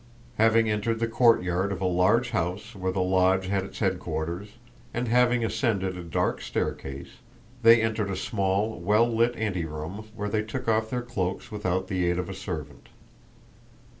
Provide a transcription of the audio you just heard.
Having entered the courtyard of a large house where the Lodge had its headquarters, and having ascended a dark staircase, they entered a small well lit anteroom where they took off their cloaks without the aid of a servant.